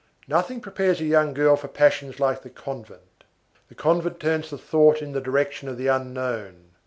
Nothing prepares a young girl for passions like the convent. The convent turns the thoughts in the direction of the unknown.